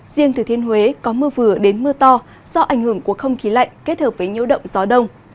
riêng thừa thiên huế có mưa vừa đến mưa to do ảnh hưởng của không khí lạnh kết hợp với nhiễu động gió đông